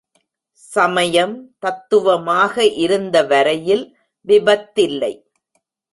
சமயம், தத்துவமாக இருந்தவரையில் விபத்தில்லை.